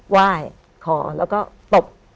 ไหว้ขอแล้วก็ตบ